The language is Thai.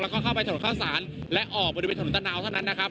แล้วก็เข้าไปถนนข้าวสารและออกบริเวณถนนตะนาวเท่านั้นนะครับ